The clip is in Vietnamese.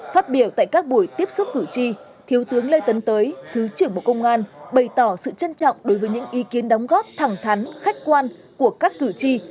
phát biểu tại các buổi tiếp xúc cử tri thiếu tướng lê tấn tới thứ trưởng bộ công an bày tỏ sự trân trọng đối với những ý kiến đóng góp thẳng thắn khách quan của các cử tri